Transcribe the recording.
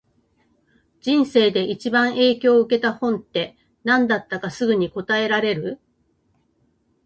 人生で一番影響を受けた本って、何だったかすぐに答えられる？